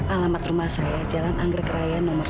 alamat rumah saya jalan angger keraya nomor sembilan